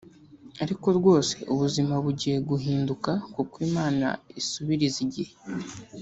ariko rwose ubuzima bugiye guhinduka kuko imana isubiriza igihe